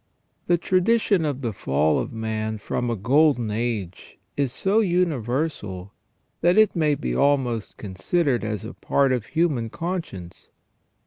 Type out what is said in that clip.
The tradition of the fall of man from a golden age is so universal, that it may be almost considered as a part of the human conscience.